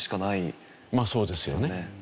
まあそうですよね。